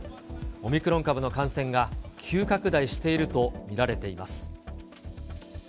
オミクロン株の感染が急拡大していると見られています。